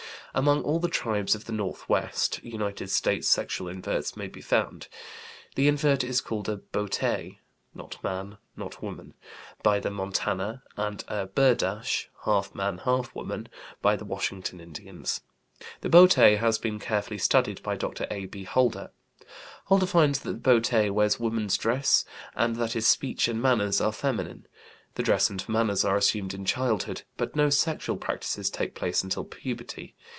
Among all the tribes of the northwest United States sexual inverts may be found. The invert is called a boté ("not man, not woman") by the Montana, and a burdash ("half man, half woman") by the Washington Indians. The boté has been carefully studied by Dr. A.B. Holder. Holder finds that the boté wears woman's dress, and that his speech and manners are feminine. The dress and manners are assumed in childhood, but no sexual practices take place until puberty.